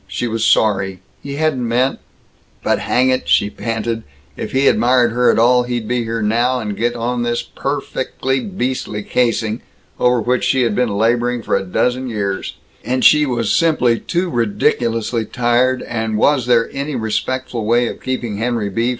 She was sorry. He hadn't meant But hang it, she panted, if he admired her at all, he'd be here now and get on this per fect ly beast ly casing, over which she had been laboring for a dozen years; and she was simply too ridiculously tired; and was there any respectful way of keeping Henry B.